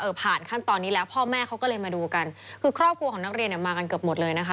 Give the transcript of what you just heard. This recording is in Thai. ผ่านขั้นตอนนี้แล้วพ่อแม่เขาก็เลยมาดูกันคือครอบครัวของนักเรียนเนี่ยมากันเกือบหมดเลยนะคะ